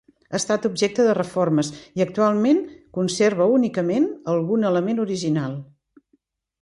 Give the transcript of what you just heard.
Ha estat objecte de reformes i actualment conserva únicament algun element original.